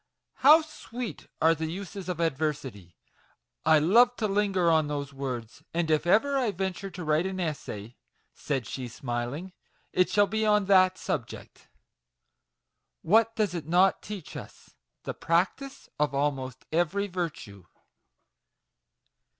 How sweet are the uses of adversity ! I love to linger on those words ; and if ever I venture to write an essay," said she, smiling, " it shall be on that subject. What does it not teach us ? the practice of almost every virtue."